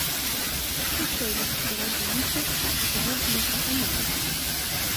D acu ay la tettṛajumt sɣur Nafisa n Ubeṛṛan?